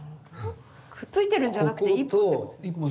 くっついてるんじゃなくて一本。